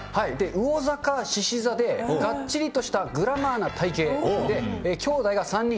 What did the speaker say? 魚座か獅子座で、がっちりとしたグラマーな体形で、きょうだいが３人。